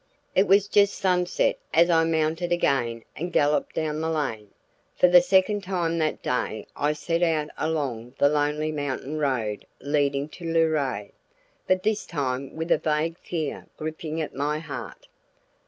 It was just sunset as I mounted again and galloped down the lane. For the second time that day I set out along the lonely mountain road leading to Luray, but this time with a vague fear gripping at my heart.